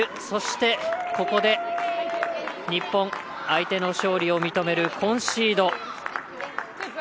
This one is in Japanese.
そして、ここで日本相手の勝利を認めるコンシード。